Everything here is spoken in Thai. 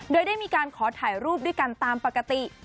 โดยได้มีการขอถ่ายรูปด้วยกันตามปกติ